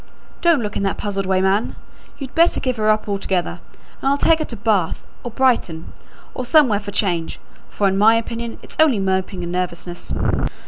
don't look in that puzzled way, man! you'd better give her up altogether, and I'll take her to Bath or Brighton, or somewhere for change, for in my opinion it's only moping and nervousness."